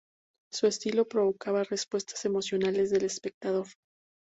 Su estilo provocaba respuestas emocionales del espectador.